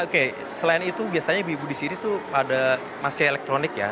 oke selain itu biasanya ibu ibu di sini tuh ada masih elektronik ya